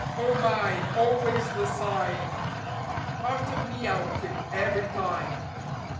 Oh my, always the syme! Part of me outfit every time.